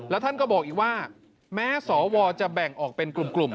แล้วท่านก็บอกอีกว่าแม้สวจะแบ่งออกเป็นกลุ่ม